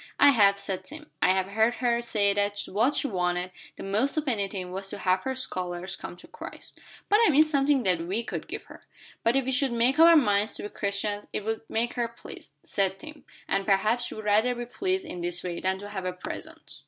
"I have," said Tim. "I have heard her say that what she wanted the most of anything was to have her scholars come to Christ." "But I mean something that we could give her." "But if we should make up our minds to be Christians, it would make her pleased," said Tim, "and perhaps she'd rather be pleased in this way than to have a present."